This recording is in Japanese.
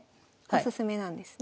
おすすめなんですね。